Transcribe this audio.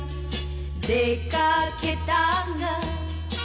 「出掛けたが」